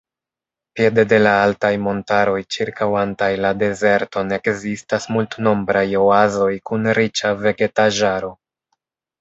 Piede de la altaj montaroj ĉirkaŭantaj la dezerton ekzistas multnombraj oazoj kun riĉa vegetaĵaro.